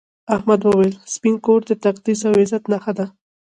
احمد وویل سپین کور د تقدس او عزت نښه ده.